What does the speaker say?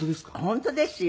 本当ですよ。